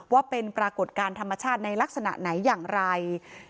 ว่าเป็นปรากฏการณ์ธรรมชาติในลักษณะไหนอย่างไร